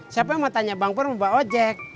siapa yang mau tanya bang pur mau bawa ojek